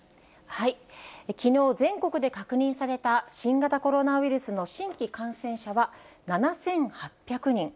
きのう、全国で確認された新型コロナウイルスの新規感染者は７８００人。